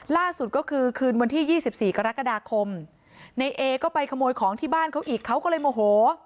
ล่าสุดก็คือคืนวันที่๒๔กรกฎาคมในเอก็ไปขโมยของที่บ้านเขาอีกเขาก็เลยโมโห